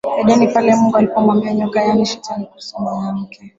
Edeni pale Mungu alipomwambia nyoka yaani shetani kuhusu mwanamke